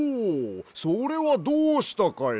それはどうしたかや？